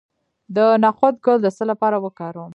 د نخود ګل د څه لپاره وکاروم؟